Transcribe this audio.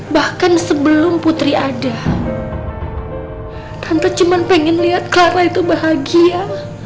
bahkan sebelum putri ada tante cuma pengen lihat clara itu bahagia